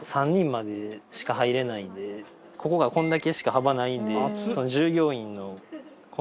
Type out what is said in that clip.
ここがこれだけしか幅ないので。